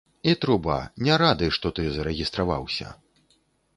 І труба, не рады, што ты зарэгістраваўся.